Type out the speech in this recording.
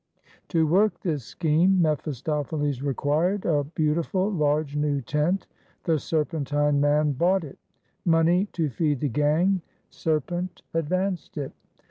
To work this scheme mephistopheles required a beautiful large new tent; the serpentine man bought it. Money to feed the gang; serpent advanced it.